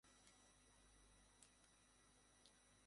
মনে রেখো, যদিও তুমি ওলীদের পুত্র কিন্তু এখন সে মৃত।